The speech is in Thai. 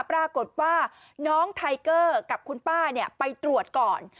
ปรากฏว่าน้องไทเกอร์กับคุณป้าไปตรวจก่อน